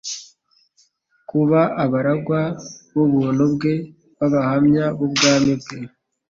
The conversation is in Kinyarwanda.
kuba abaragwa b'ubuntu bwe n'abahamya b'ubwami bwe;